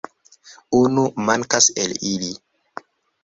Unu mankas el ili.